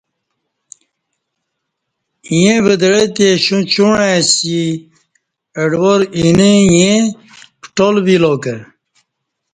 ایں ودعہ تی شوں چوعں ائںسی اڈوار اِینہ ایں پٹال وِیلا کہ